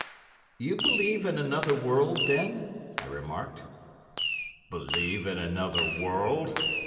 "You believe in another world, then?" I remarked. "Believe in another world?"